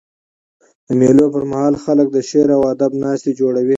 د مېلو پر مهال خلک د شعر او ادب ناستي جوړوي.